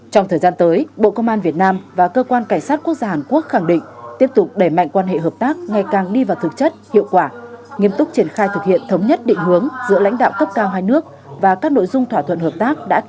trong thời gian tới bộ công an việt nam và cơ quan cảnh sát quốc gia hàn quốc khẳng định tiếp tục đẩy mạnh quan hệ hợp tác ngày càng đi vào thực chất hiệu quả nghiêm túc triển khai thực hiện thống nhất định hướng giữa lãnh đạo cấp cao hai nước và các nội dung thỏa thuận hợp tác đã